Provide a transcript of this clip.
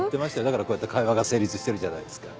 だからこうやって会話が成立してるじゃないですか。